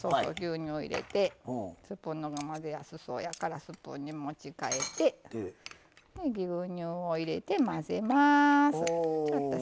スプーンのほうが混ぜやすそうやからスプーンに持ち替えて牛乳を入れて混ぜます。